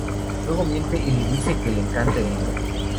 Luego, miente y le dice que le encanta el libro.